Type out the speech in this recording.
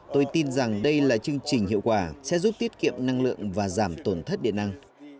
tôi tin rằng đây là chương trình hiệu quả sẽ giúp tiết kiệm năng lượng và giảm tổn thất điện năng